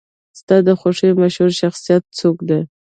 ستا د خوښې مشهور شخصیت څوک دی؟